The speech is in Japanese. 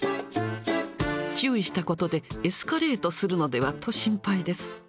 注意したことでエスカレートするのではと心配です。